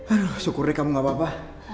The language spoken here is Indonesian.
aduh syukuri kamu gak apa apa